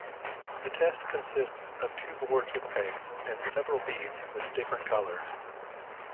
The test consists of two boards with pegs and several beads with different colors.